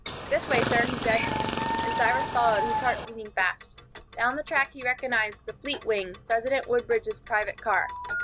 "This way, sir," he said, and Cyrus followed, his heart beating fast. Down the track he recognized the "Fleetwing," President Woodbridge's private car.